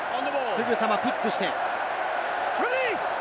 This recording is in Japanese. すぐさまピックして。